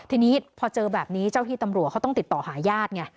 ทีนี้พอเจอแบบนี้เจ้าที่ตำรวจเขาต้องติดต่อหาญาติไง